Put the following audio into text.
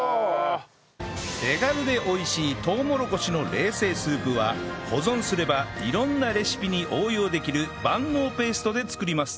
手軽で美味しいとうもろこしの冷製スープは保存すれば色んなレシピに応用できる万能ペーストで作ります